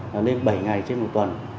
nên bảy ngày trên một tuần